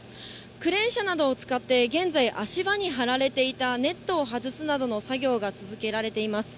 クレーン車などを使って、現在、足場に張られていたネットを外すなどの作業が続けられています。